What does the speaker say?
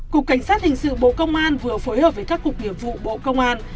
cục cảnh sát hình sự bộ công an vừa phối hợp với các cục nghiệp vụ bộ công an